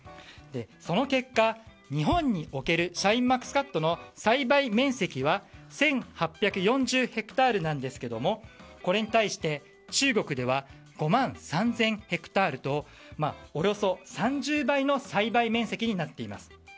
その結果、日本におけるシャインマスカットの栽培面積は１８４０ヘクタールなんですがこれに対して中国では５万３０００ヘクタールとおよそ３０倍の栽培面積になっています。